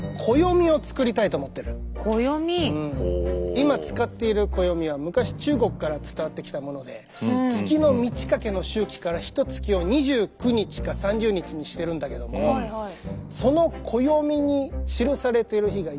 今使っている暦は昔中国から伝わってきたもので月の満ち欠けの周期からひとつきを２９日か３０日にしてるんだけどもああなるほど。